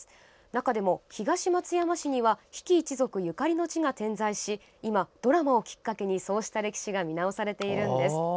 中でも東松山市には比企一族ゆかりの地が点在し今、ドラマをきっかけにそうした歴史が見直されているんです。